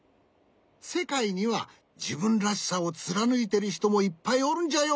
せかいにはじぶんらしさをつらぬいてるひともいっぱいおるんじゃよ。